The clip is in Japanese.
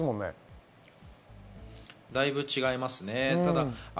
だいぶ違いますね。